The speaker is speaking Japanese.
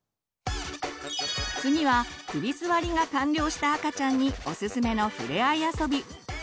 次は首すわりが完了した赤ちゃんにおすすめのふれあい遊び。